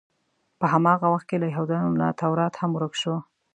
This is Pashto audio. په هماغه وخت کې له یهودانو نه تورات هم ورک شو.